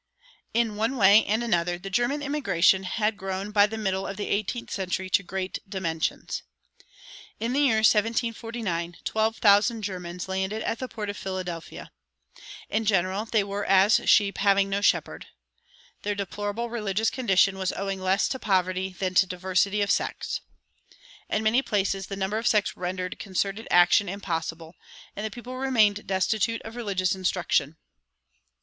In one way and another the German immigration had grown by the middle of the eighteenth century to great dimensions. In the year 1749 twelve thousand Germans landed at the port of Philadelphia. In general they were as sheep having no shepherd. Their deplorable religious condition was owing less to poverty than to diversity of sects.[188:1] In many places the number of sects rendered concerted action impossible, and the people remained destitute of religious instruction.